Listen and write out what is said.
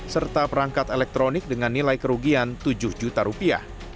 serta perangkat elektronik dengan nilai kerugian tujuh juta rupiah